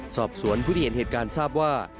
สอบสวนผู้ที่เห็นเหตุการณ์ทราบว่า